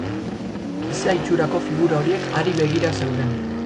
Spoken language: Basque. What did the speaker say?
Giza itxurako figura horiek hari begira zeuden.